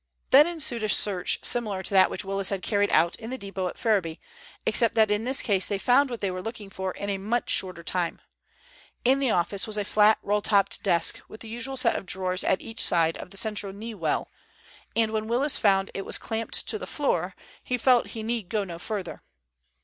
Then ensued a search similar to that which Willis had carried out in the depot at Ferriby, except that in this case they found what they were looking for in a much shorter time. In the office was a flat roll topped desk, with the usual set of drawers at each side of the central knee well, and when Willis found it was clamped to the floor he felt he need go no further.